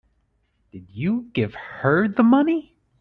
Did you give her the money?